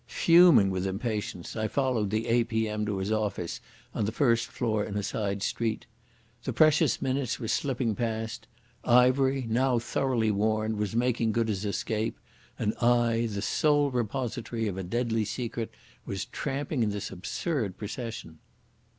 Fuming with impatience, I followed the A.P.M. to his office on the first floor in a side street. The precious minutes were slipping past; Ivery, now thoroughly warned, was making good his escape; and I, the sole repository of a deadly secret, was tramping in this absurd procession.